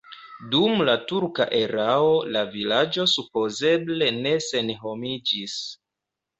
Dum la turka erao la vilaĝo supozeble ne senhomiĝis.